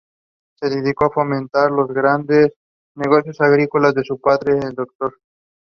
Legislation was therefore required to control the petroleum industry.